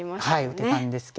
打てたんですけど。